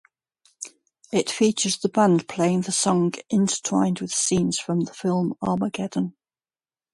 It features the band playing the song intertwined with scenes from the film "Armageddon".